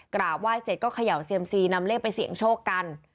กราบไหว้เสร็จก็เขย่าเซียมซีนำเลขไปเสี่ยงโชคกัน